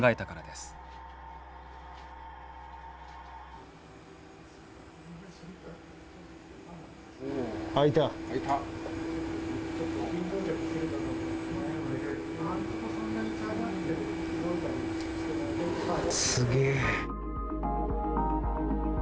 すげえ。